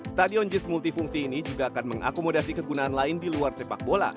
stadion jis multifungsi ini juga akan mengakomodasi kegunaan lain di luar sepak bola